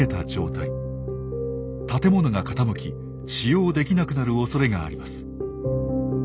建物が傾き使用できなくなるおそれがあります。